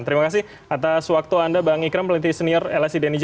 terima kasih atas waktu anda bang ikram peneliti senior lsi dnj